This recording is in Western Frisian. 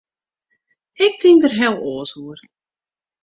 Ik tink der heel oars oer.